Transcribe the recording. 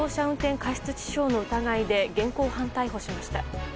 運転致傷の疑いで現行犯逮捕しました。